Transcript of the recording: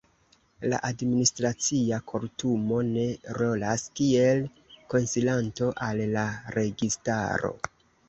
La Administracia Kortumo ne rolas kiel konsilanto al la registaro.